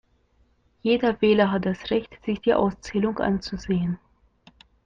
Jeder Wähler hat das Recht, sich die Auszählung anzusehen.